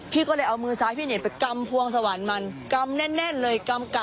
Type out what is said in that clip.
พี่ก็เลยเอามือซ้ายพี่เน็ตไปกำพวงสวรรค์มันกำแน่นเลยกำกะ